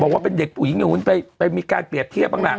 ว่าเป็นเด็กผู้หญิงอยู่ไปมีการเปรียบเทียบบ้างล่ะ